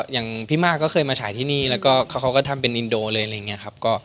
อย่างพี่มากก็เคยมาฉายที่นี่แล้วก็เขาก็ทำเป็นอินโดเลยอะไรอย่างนี้ครับ